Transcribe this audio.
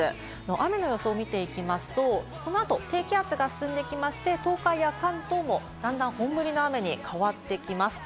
雨の予想を見ていきますと、このあと低気圧が進んできまして東海や関東も段々本降りの雨に変わってきます。